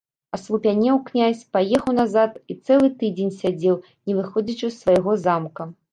Аслупянеў князь, паехаў назад і цэлы тыдзень сядзеў, не выходзячы з свайго замка.